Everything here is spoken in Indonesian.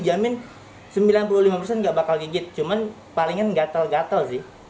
jamin sembilan puluh lima persen nggak bakal gigit cuman palingan gatel gatel sih